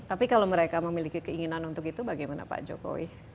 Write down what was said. tapi kalau mereka memiliki keinginan untuk itu bagaimana pak jokowi